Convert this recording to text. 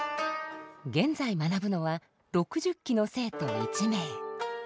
現在学ぶのは６０期の生徒１名。